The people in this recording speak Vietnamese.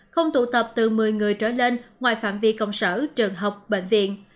không tụ tập từ một mươi người trở lên ngoài phạm vi công sở trường học bệnh viện